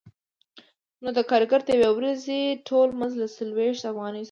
نو د کارګر د یوې ورځې ټول مزد له څلوېښت افغانیو سره دی